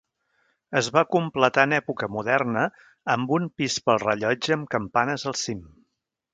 Es va completar en època moderna amb un pis pel rellotge amb campanes al cim.